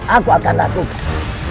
aku akan lakukan